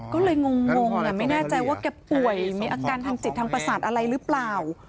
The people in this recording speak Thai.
ก็เลยงงไม่แน่ใจว่าแกป่วยมีอาการทางจิตทางประสาทอะไรหรือเปล่า